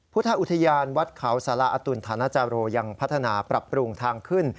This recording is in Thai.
พุทธอุทยานวัดเขาสารอตุลธานาจาโรยังพัฒนาปรับปรุงทางขึ้น